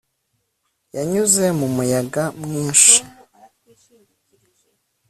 yanyuze mu muyaga. mwinshi